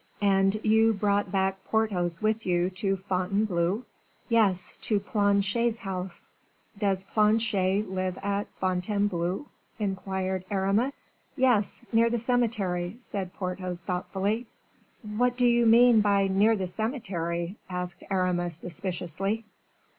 "And you brought back Porthos with you to Fontainebleau?" "Yes, to Planchet's house." "Does Planchet live at Fontainebleau?" inquired Aramis. "Yes, near the cemetery," said Porthos, thoughtlessly. "What do you mean by 'near the cemetery?'" said Aramis, suspiciously.